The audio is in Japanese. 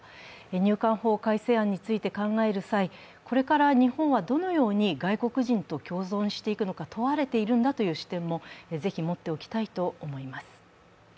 入管法改正案について考える際、これから日本はどのように外国人と共存していくのか問われているんだという視点もぜひ持っておきたいと思います。